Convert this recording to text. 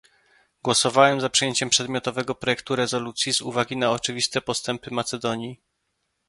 Głosowałem za przyjęciem przedmiotowego projektu rezolucji z uwagi na oczywiste postępy Macedonii